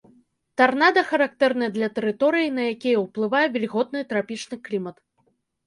Тарнада характэрныя для тэрыторый, на якія уплывае вільготны трапічны клімат.